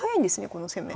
この攻め。